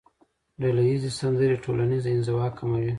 ډلهییزې سندرې ټولنیزه انزوا کموي.